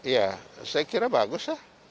ya saya kira bagus lah